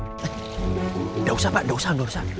tidak usah pak tidak usah